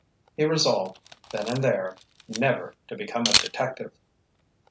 He resolved, then and there, never to become a detective.